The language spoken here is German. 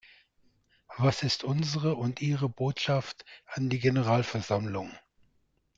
Was ist unsere und Ihre Botschaft an die Generalversammlung?